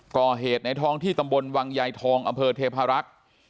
ก่อเหตุในท้องที่ตำบลวังยายทองอำเภอเทพารักษ์